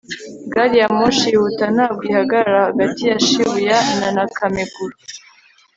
gari ya moshi yihuta ntabwo ihagarara hagati ya shibuya na naka-meguro